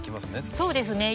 そうですね